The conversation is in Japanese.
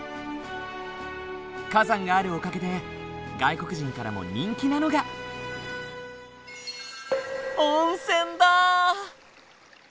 火山があるおかげで外国人からも人気なのが温泉だ！